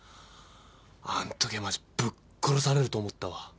あんときはマジぶっ殺されると思ったわ。